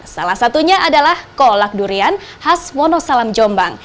salah satunya adalah kolak durian khas wonosalam jombang